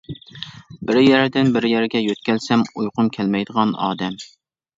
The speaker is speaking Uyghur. بىر يەردىن بىر يەرگە يۆتكەلسەم ئۇيقۇم كەلمەيدىغان ئادەم.